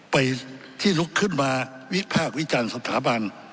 ไปที่ลุกขึ้นมาวิพากษ์วิจารณ์สถาบัน